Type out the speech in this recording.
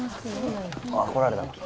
ああ来られたわ。